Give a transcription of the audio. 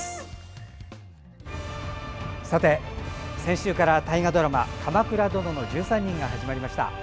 さて、先週から大河ドラマ「鎌倉殿の１３人」が始まりました。